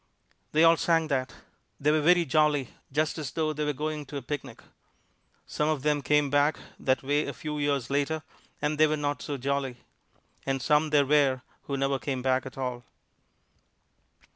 They all sang that. They were very jolly, just as though they were going to a picnic. Some of them came back that way a few years later and they were not so jolly. And some there were who never came back at all.